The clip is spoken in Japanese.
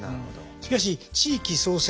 しかし地域創生